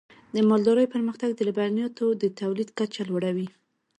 د مالدارۍ پرمختګ د لبنیاتو د تولید کچه لوړوي.